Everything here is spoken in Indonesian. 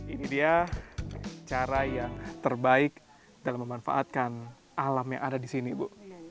ini dia cara yang terbaik dalam memanfaatkan alam yang ada di sini ibu